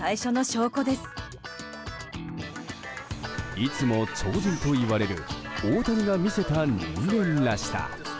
いつも超人といわれる大谷が見せた、人間らしさ。